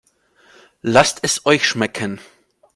Lasst es euch schmecken!